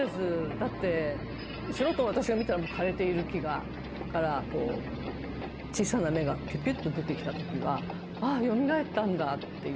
だって素人の私が見たらもう枯れている木から小さな芽がピュピュと出てきた時はあっ、よみがえったんだっていう。